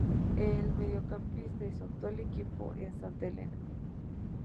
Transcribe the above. Es mediocampista y su actual equipo es Santa Helena.